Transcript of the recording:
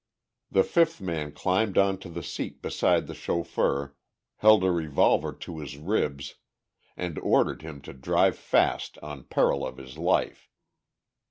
The fifth man climbed onto the seat beside the chauffeur, held a revolver to his ribs, and ordered him to drive fast on peril of his life.